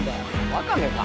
ワカメか！